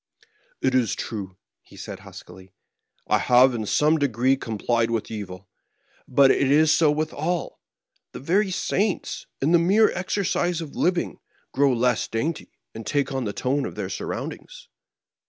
"It is true," he said, huskily; "I have in some degree complied with evil. But it is so with all : the very saints, in the mere exercise of living, grow less dainty, and take on the tone of their surroundings."